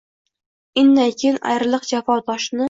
Innaykin, ayriliq jafo toshini